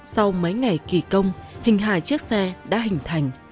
sau mấy ngày kỳ công hình hài chiếc xe đã hình thành